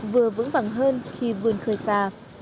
vừa vững vẳng hơn khi vươn khơi xa